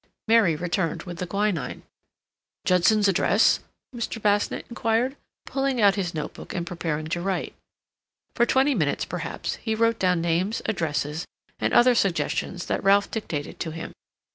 Mary returned with the quinine. "Judson's address?" Mr. Basnett inquired, pulling out his notebook and preparing to write. For twenty minutes, perhaps, he wrote down names, addresses, and other suggestions that Ralph dictated to him.